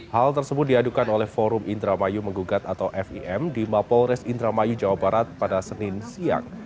hal tersebut diadukan oleh forum indramayu menggugat atau fim di mapolres indramayu jawa barat pada senin siang